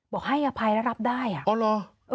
บอกให้อภัยแล้วรับได้อ่ะ